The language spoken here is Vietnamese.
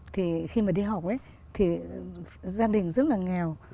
thì khi mà đi học thì gia đình rất là nghèo